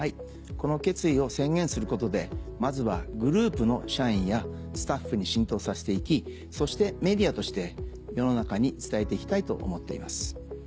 この決意を宣言することでまずはグループの社員やスタッフに浸透させて行きそしてメディアとして世の中に伝えて行きたいと思っています。